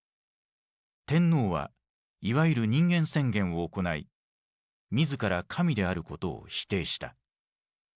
天皇はいわゆる「人間宣言」を行い自ら「神」であることを否定した。